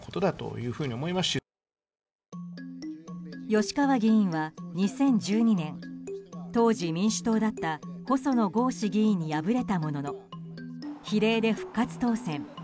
吉川議員は２０１２年当時、民主党だった細野豪志議員に敗れたものの比例で復活当選。